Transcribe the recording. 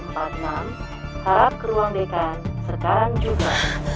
harap ke ruang dekan sekarang juga